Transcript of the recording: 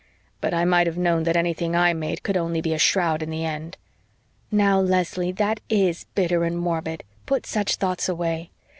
But I might have known that anything I made could only be a shroud in the end." "Now, Leslie, that IS bitter and morbid put such thoughts away.